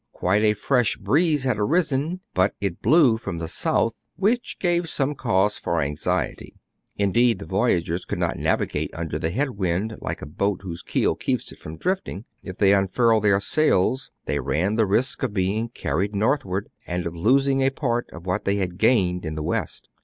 Quite a fresh breeze had arisen ; but it blew from the south, which gave some cause for anxiety. Indeed, the voyagers could not navigate under the head wind, like a boat whose keel keeps it from drifting. If they unfurled their sails, they ran the risk of being carried northward, and of losing a part of what they had gained in the west.